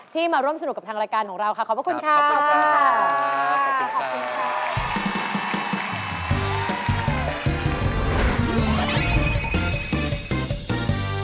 มาร่วมสนุกกับทางรายการของเราค่ะขอบพระคุณค่ะขอบคุณค่ะ